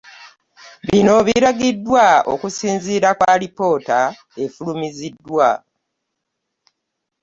Bino biragiddwa okusinziira ku alipoota efulumiziddwa.